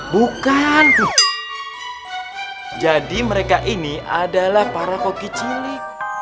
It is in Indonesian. bukan jadi mereka ini adalah para koki cilik